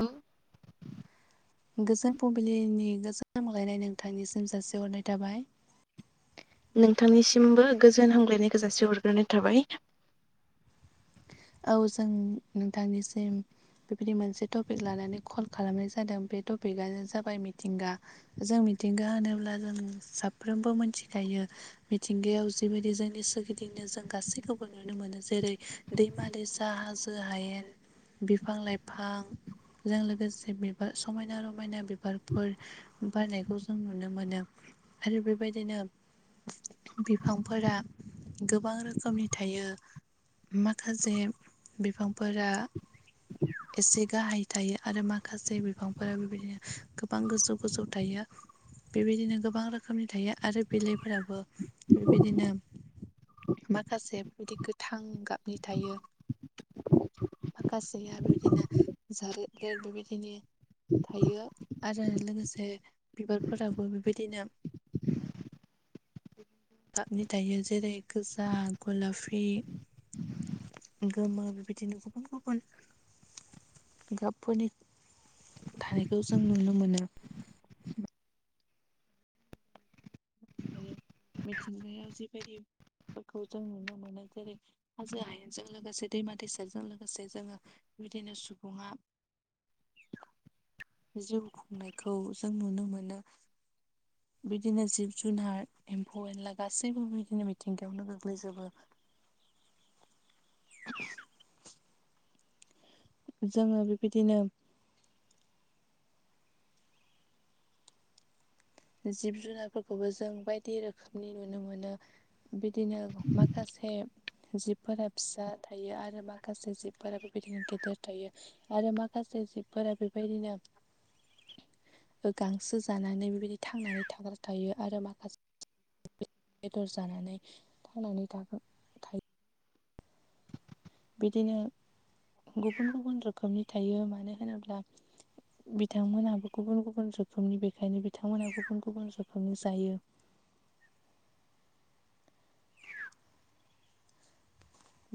Hello. गोजोन फुंबिलिनि गोजोनामलायनाय नोंथांनिसिम जासिहरनाय थाबाय। नोंथांनिसिमबो गोजोन हामग्लायनायखौ जासे हरग्रोनाय थाबाय औ जों नोंथांनिसिम बेबायदि मोनसे टपिक लानानै कल खालामनाय जादों बे टपिकआनो जाबाय मिथिंगा - जों मिथिंगा होनोब्ला जों साफ्रोमबो मोनथिखायो। मिथिंगायाव जिबायदि जोंनि सोरगिदिंनो जों गासैखौबो नुनो मोनो जेरै दै मारै साहाजो हायेन बिफां लाइफां जों लोगोसे बिबार समायना रमायना बिबारफोर। बारनायखौ जों नुनो मोनो आरो बेबायदिनो बिफांफोरा गोबां रोखोमनि थायो। माखासे बिफांफोरा। एसे गाहाय थायो आरो माखासे बिफांफोरा बेबायदिनो गोबां गोजौ गोजौ थायो। बेबायदिनो गोबां रोखोमनि थायो आरो बिलोफोराबो बेबायदिनो माखासे बेबायदि गोथां गाबनि थायो। माखासेया बेबायदिनो जारेे बेबायदिनो। थायो आरो लोगोसे बिबारफोराबो बेबायदिनो। गाबनि थायो जेरै गोजा गलाफि गोमो बेबायदिनो गुबुन गुबुन गाबफोरनि थानायखौ जों नुनो मोनो। मिथि मिथिंगायाव जिबायदिफोरखौ जों नुनो मोनो जेरै। हाजो हायेनजों लोगोसे दैमा दैसाजों लोगोसे जोङो बिदिनो सुबुङा। जिउ खुंनायखौ जों नुनो मोनो। बिदिनो जिब जुनार एम्फौ एनला गासैबो बिदिनो मिथिंगायावनो गोग्लैजोबो। [inaudible] जोङो बेबायदिनो। जिब जुनारफोरखौबो जों बायदि रोखोमनि नुनो मोनो। बिदिनो माखासे। जिबफोरा फिसा थायो आरो माखासे जिबफोराबोबायदिनो गेदेर थायो। आरो माखासे जिबफोरा बेबायदिनो। गांसो जानानै बेबायदि थांनानै थाग्रा थायो आरो माखासे। बेदर जानानै थांनानै थागोन। थायो बिदिनो गुबुन गुबुन रोखोमनि थायो मानो होनोब्ला बिथांमोनाबो गुबुन गुबुन रोखोमनि बेखायनो बिथांमोनहा गुबुन गुबुन रोखोमनि जायो।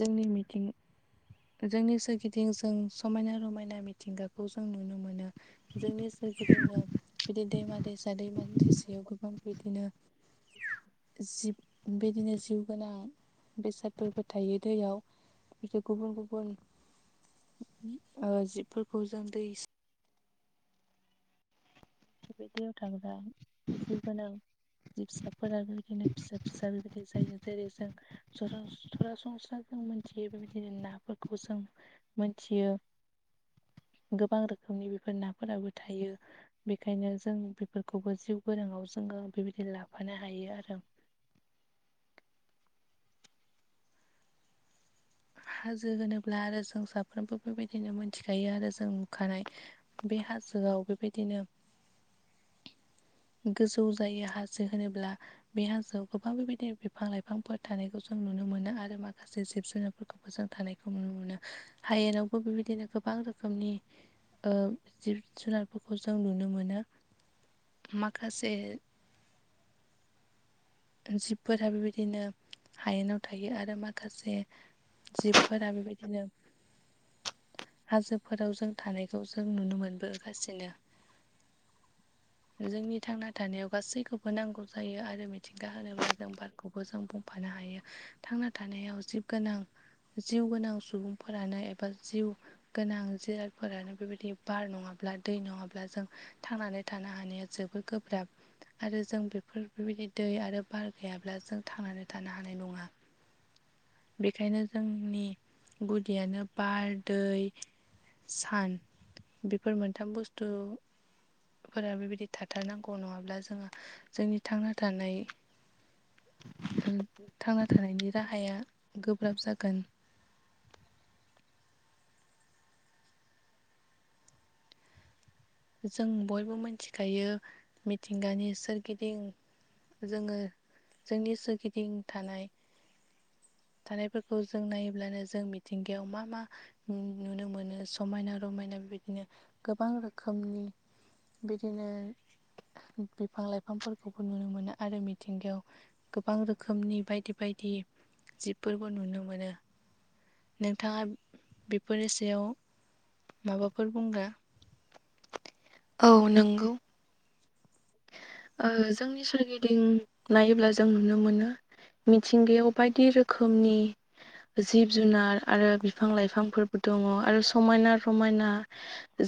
जोंनि मिथिं। जोंनि सोरगिदिं जों समायना रमायना मिथिंगाखौ जों नुनो मोनो। जोंनि सोरगिदिनो। बिदि दैमा दैसा दैमा दैसायाव गोबां बिदिनो जि बिदिनो जिउ गोनां बेसादफोरबो थायो दैयाव बिदि गुबुन गुबुन जिबफोरखौ जों दै। बि दैयाव थाग्रा जिउ गोनां। जिबसाफोरा बेबायदिनो फिसा फिसा बेबायदि जायो। जेरै जों सरासनस्रा जों मोनथियो बेबायदिनो नाफोरखौ जों मोनथियो गोबां रोखोमनि बेफोर नाफोराबो थायो। बेखायनो जों बेफोरखौबो जिउ गोरोंआव जोङो बेबायदि लाफानो हायो आरो। हाजो होनोब्ला आरो जों साफ्रोमबो बेबायदिनो मोनथिखायो आरो जों नुखानाय बे हाजोआव बेबायदिनो गोजौ जायो हाजो होनोब्ला बे हाजोआव गोबां बेबायदि बिफां लाइफांफोर थानायखौ जों नुनो मोनो आरो माखासे जिब जुनार फोरखौबो जों थानायखौ नुनो मोनो हायेनावबो बेबायदिनो गोबां रोखोमनि ओ जिब जुनारफोरखौ जों नुनो मोनो माखासे जिबफोरा बेबायदिनो हायेनाव थायो आरो माखासे जिबफोरा बेबायदिनो। हाजोफोराव जों थानायखौ जों नुनो मोनबोगासिनो। जोंनि थांना थानायाव गासैखौबो नांगौ जायो आरो हेंथा होनोब्ला जों बारखौबो जों बुंफानो हायो थांना थानायाव जिब गोनां जिउ गोनां सुबुंफोरानो एबा जिउ गोनां जिरादफोरानो बेबायदि बार नङाब्ला दै नङाब्ला जों थांनानै थानो हानाया जोबद गोब्राब आरो जों बेफोर बेबायदि दै आरो बार गैयाब्ला जों थांनानै थानो हानाय नङा। बेखायनो जोंनि गुदियानो बार दै सान बेफोर मोनथाम बुस्थु। फोर बेबायदि थाथारनांगौ नङाब्ला जोहा जोंनि थांना थानाय ओ थांना थानायनि राहाया गोब्राब जागोन। जों बयबो मिथिखायो मिथिंगानि सोरगिदिं जोङो जोंनि सोरगिदिं थानाय थानायफोरखौ जों नायोब्लानो जों मिथिंगायाव मा मा नुनो मोनो समायना रमायना बेबायदिनो गोबां रोखोम रोखोमनि बिदिनो बिफां लाइफांफोरखौबो नुनो मोनो आरो मिथिंगायाव गोबां रोखोमनि बायदि बायदि जिबफोरबो नुनो मोनो। नोंथाङा बेफोरनि सायाव माबाफोर बुंग्रा औ नंगौ। ओ जोंनि सोरगिदिं नायोब्ला जों नुनो मोनो। मिथिंगायाव बायदि रोखोमनि जिब जुनार आरो बिफां लाइफांफोरबो दङ आरो समायना रमायना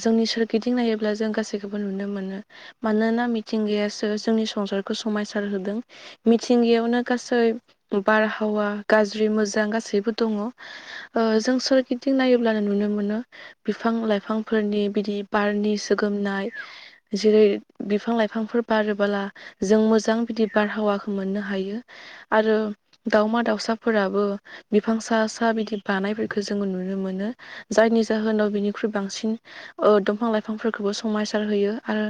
जोंनि सोरगिदिं नायोब्ला जों गासैखौबो नुनो मोनो मानोना मिथिंगाया ओ जोंनि संसारखौ समायसार होदों। मिथिंगायावनो गासै बारहावा गाज्रि मोजां गासैबो दङ। ओ जों सोरगिदिं नायोब्लानो नुनो मोनो। बिफां लाइफांफोरनि बिदि बारनि सोगोमनाय। जेरै बिफां लाइफांफोर बारोबोला जों मोजां बिदि बारहावाखौ मोननो हायो। आरो दाावमा दाउसाफोराबो बिफां सा सा बिदि बानायफोरखौ जोङो नुनो मोनो। जायनि जाहोनाव बिनिख्रुइ बांसिन ओ दंफां लाइफांफोरखौबो समायसार होयो आरो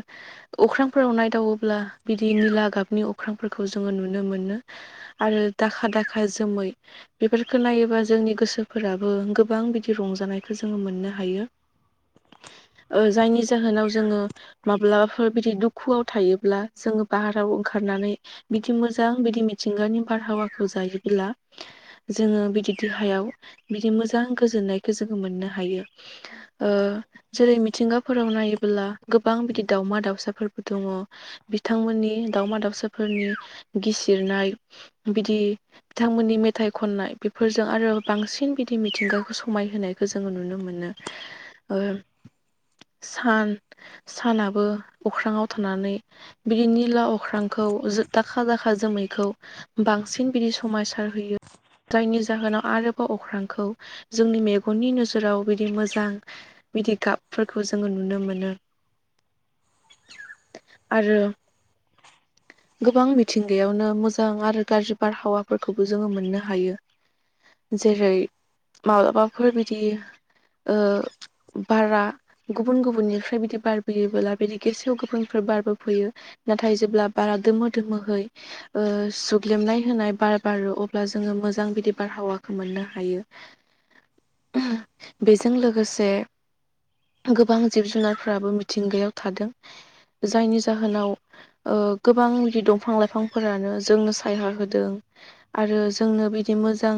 अख्रांफोराव नायदावोब्ला बिदि निला गाबनि अख्रांफोरखौ जोङो नुनो मोनो। आरो दाखा दाखा जोमै बेफोरखौ नायोबा जोंनि गोसोफोराबो गोबां बिदि रंजानायखौ जोङो मोननो हायो। ओ जायनि जाहोनाव जोङो माब्लाबफोर बिदि दुखु। थायोब्ला जोङो बाहाराव ओंखारनानै बिदि मोजां बिदि मिथिंगानि बारहावाखौ जायोब्ला जोङो बिदि देहायाव बिदि मोजां गोजोननायखौ जोङो मोननो हायो। ओ जेरै मिथिंगाफोराव नायोबोला गोबां बिदि दाउमा दाउसाफोरबो दङ बिथांमोननि दाावमा दाावसाफोरनि गिसिरनाय बिदि बिथांमोननि मेथाइ खननाय बेफोरजों आरो बांसिन बिदि मिथिंगाखौ समायहोनाय खौ जोङो नुनो मोनो सान सानाबो अख्राांाव थनानै बि निला अख्रांखौ दाखा दाखा जोमैखौ बांसिन बिदि समायसार होयो। जायनि जाहोनाव आरोबाव अख्रांखौ जोंनि मेगननि नोजोराव बिदि मोजां बिदि गाबफोरखौ जोङो नुनो मोनो। आरो गोबां मिथिंगायावनो मोजां आरो गाज्रि बारहावाफोरखौबो जोङो मोननो हायो। जेरै माब्लाबाफोर बिदि ओ बारा गुबुन गुबुननिफ्राय बिदि बारबोयोबोब्ला बिदि गेसोआव गोफांनिफ्राय बारबोफैयो नाथाय जेब्ला बारा दमो दमोहै सुग्लेमनाय होनाय बार बारो अब्ला जोङो मोजां बिदि बारहावाखौ मोननो हायो [inaudible] बेजों लोगोसे गोबां जिब जुनारफ्राबो मिथिंगायाव थादों जायनि जाहोनाव गोबां बिदि दंफां लाइफांफोरानो जोंनो सायहाा होदों आरो जोंनो बिदि मोजां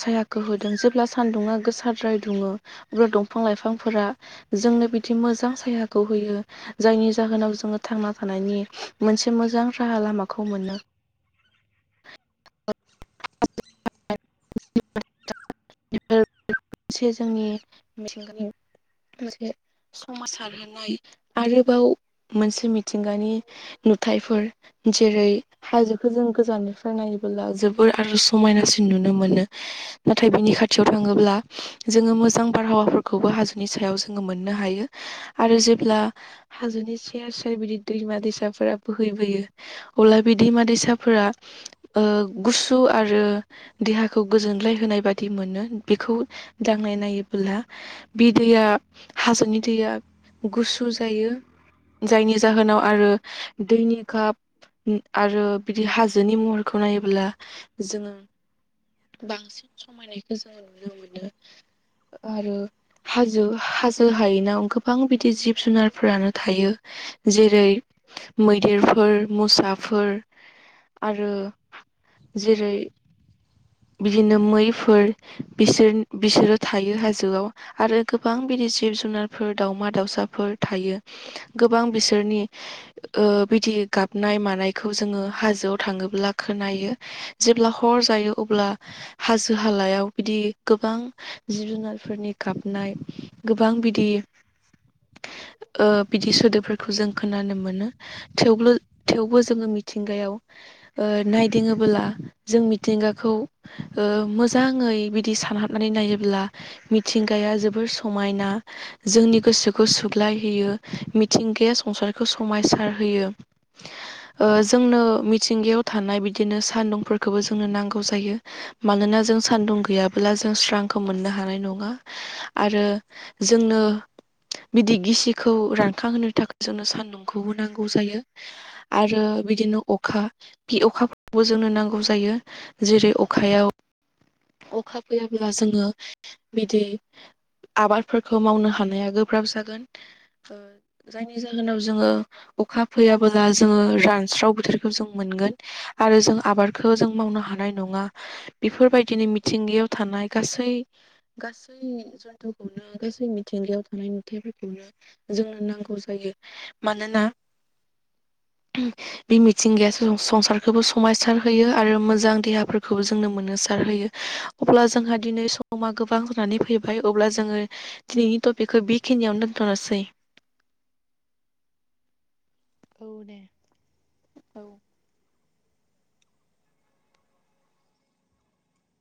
सायाख होदों जेब्ला सानदुङा गोसार र्राय दुङो अब्ला दंफां लाइफांफोरा जोंनो बिदि मोजां सायााखौ होयो जायनि जाहोनाव जोङो थांना थानायनि मोनसे मोजां राहा लामाखौ मोनो [inaudible] से जोंनि मिेथिंगानि मोनसे समंसार होनाय आरोबाव मोनसे मिथिंगानि नुथायाइफोर जेरै हाजोखौ जों गोजाननिफ्राय नायबोला जोबोर आरज समायनासिन नुनो मोनो नाथाय बिनि खाथियाव थाङोब्ला जोङो मोजां बारहावा खौबो हाजोनि सायाव जोङो मोननो हायो आरो जेब्ला हाजोनि सयेर सेर बिदि दै बिमा दैसाफोरा बोहैबोयो अब्ला बे दैमा दैसाफोरा गु देहाखौ गोजोनलाय होनाय बादि मोनो बेखौ बुंनाय नायोबोला बे दैया हाजोनि दैया गुसु जायो जायनि जाहोनाव आरो दैनि काप आरो बिदि हाजोनि महरखौ नायोब्ला जोङो बांसिन समायनायखौ जोंो नुनो मोनो आरो हाजो हाजो हायनाव गोबां बि ब जिब जुनारफोरानो थायो जेरै मैदेर फोर मुसाफोर आरो जेरै बिदिनो मैफोर बिसोर बिसोरो थायो हाजोआव आरो गोबां बिदि जिब जुनारफोर दाउमा दाउसाफोर थायो गोबां बिसोरनि बिदि गाबनाय मानायखौ जोङो हाजोआव थाङोब्ला खोनायो जेब्ला हर जायो अब्ला हाजो हालायाव बिदि गोबां जिब जुनारफोरनि गाबनाय गोबां बिदि बिदि सोदोबफोरखौ जों खोनानो मोनो थ थेवबो जोङो मिथिंगायाव ओ नाय दिङोबोला जों मिथिंगा खौ ओ मोजाङै बिदि सानहाबनानै नायोब्ला मिथिंगाया जोबोर समायना जोंनि गोसोखौ सुग्लाय होयो मिथिंगाया संसारखौ समायसार होयो [inaudible] ओ जोंनो मिथिंगायाव थानाय बिदिनो सानदुंफोरखौबो जोंनो नां गौ जायो। मानोना जों सान्दुं गैयाब्ला जों स्रांखौ मोननो हानाय नङा। आरो। जोंनो बिदि गिसिखौ रानखां होनोनो थाखा जोंनो सान्दुंखौ बो नांगौ जायो। आरो बिदिनो अखा बे अखाबो जोंनो नांगौ जायो। जेरै' अखायाव अखा फैयाब्ला जोङो बिदि आबाद फोरखौ मावनो हानाया गोब्राब जागोन ओ जायनि जाहोनाव जोङो अखा फैयाबोला जोङो रानस्राव बोथोरखौ जों मोनगोन आरो जों आबादखौ जों मावनो हा नाय नङा बेफोरबायदिनो मिथिंगायाव थानाय गासै गासै जन्थुखौनो गासै मिथिंगायाव थानाय नुथायफोरखौनो जोंनो नांगौ जायो मानोना बे मिथिंगाया जों संसारखौबो समायसार होयो आरो मोजां देहाफोरखौ जोंनो मोननोसार होयो अब्ला जोंहा दिनै समा गोबां जानानै फैबाय अब्ला जोङो दिनैनि ट'पिखौ बेखिनियावनो दोन्थ'नोसै। औ दे। औ।